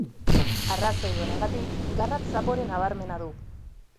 Arrazoi honegatik, garratz zapore nabarmena du.